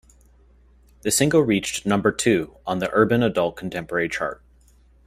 The single reached number two on the Urban Adult Contemporary chart.